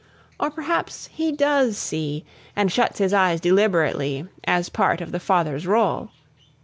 Or perhaps he does see, and shuts his eyes deliberately, as part of the father's role.